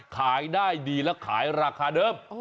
ขายได้ดีและขายราคาเดิม